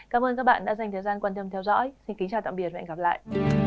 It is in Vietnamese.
cảm ơn các bạn đã dành thời gian quan tâm theo dõi xin kính chào tạm biệt và hẹn gặp lại